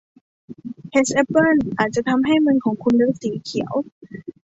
เฮดจ์ แอปเปิ้ลอาจจะทำให้มือของคุณเลอะสีเขียว